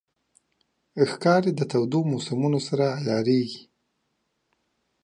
ښکاري د تودو موسمونو سره عیارېږي.